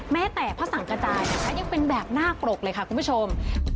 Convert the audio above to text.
แม้แต่พระสังกระจายนะคะยังเป็นแบบหน้าปรกเลยค่ะคุณผู้ชม